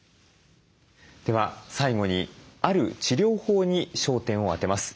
では最後にある治療法に焦点を当てます。